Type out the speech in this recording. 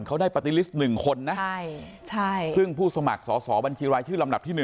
เขาได้ปาร์ตี้ลิสต์๑คนนะซึ่งผู้สมัครสอบบัญชีรายชื่อลำดับที่๑